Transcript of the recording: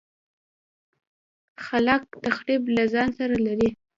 خلاق تخریب له ځان سره لري.